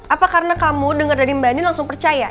apa karena kamu denger dari mba andien langsung percaya